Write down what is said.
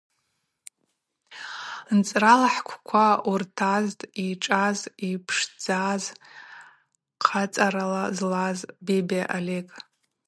Нцӏрала хӏгвква уыртазтӏ, йшӏаз, йпшдзаз, хъацӏара злаз Бебиа Олег!